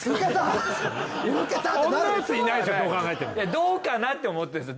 どうかなって思ってるんですよ。